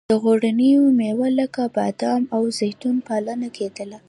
د غوړینو میوو لکه بادام او زیتون پالنه کیدله.